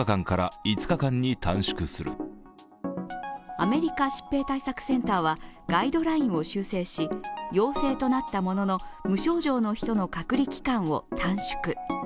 アメリカ疾病対策センターはガイドラインを修正し陽性となったものの、無症状の人の隔離期間を短縮。